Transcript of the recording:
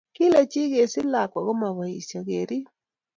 Kile chii kesich lakwa ko ma boisie keriib.